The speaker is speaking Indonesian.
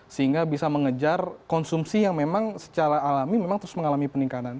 sehingga bisa mengejar konsumsi yang memang secara alami memang terus mengalami peningkatan